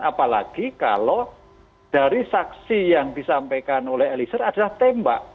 apalagi kalau dari saksi yang disampaikan oleh eliezer adalah tembak